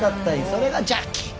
「それがジャッキー」！